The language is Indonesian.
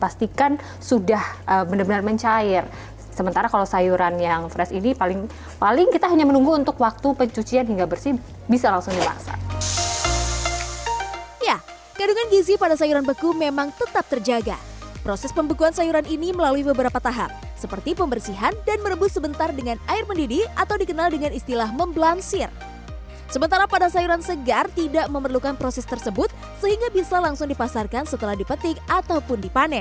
sebenarnya saya tidak akan mencoba membandingkan sayur segar dengan sayur beku